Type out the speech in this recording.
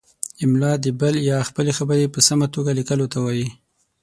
املاء د بل یا خپلې خبرې په سمه توګه لیکلو ته وايي.